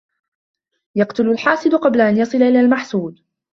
يَقْتُلُ الْحَاسِدَ قَبْلَ أَنْ يَصِلَ إلَى الْمَحْسُودِ